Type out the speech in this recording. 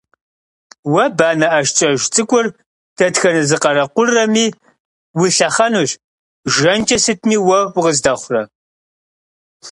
Уэ банэ ӀэшкӀэжь цӀыкӀур дэтхэнэ зы къарэкъурэми уилъэхъэнущ, жэнкӀэ сытми уэ укъыздэхъурэ!